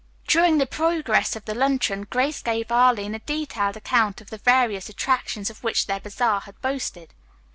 During the progress of the luncheon Grace gave Arline a detailed account of the various attractions of which their bazaar had boasted.